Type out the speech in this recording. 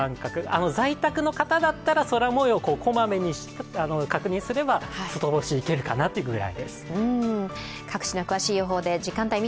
在宅の方だったら、空もようこまめに確認すれば外干し、いけるかなという感じ。